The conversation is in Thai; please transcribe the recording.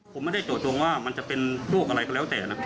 ผมไม่ได้เจาะจงว่ามันจะเป็นโรคอะไรก็แล้วแต่นะ